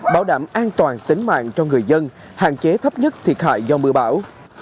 bảo đảm an toàn tính mạng cho người dân hạn chế thấp nhất thiệt hại do mưa bão